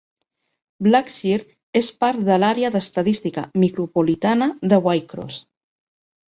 Blackshear és part de l'àrea d'estadística micropolitana de Waycross.